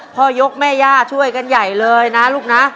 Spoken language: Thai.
พ่อยกแม่ย่าช่วยกันใหญ่เลยนะลูกนะ